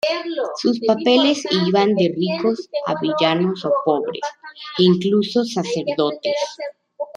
Sus papeles iban de ricos a villanos o pobres, e incluso sacerdotes.